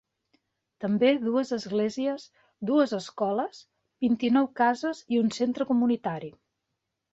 També dues esglésies, dues escoles, vint-i-nou cases i un centre comunitari.